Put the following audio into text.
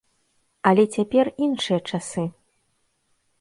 Але цяпер іншыя часы.